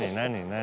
何？